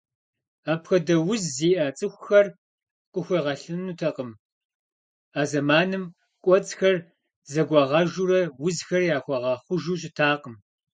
Апхуэдэ уз зиӏэ цӏыхухэр къахуегъэлынутэкъым, а зэманым кӏуэцӏхэр зэгуагъэжурэ узхэр яхуэгъэхъужу щытакъым.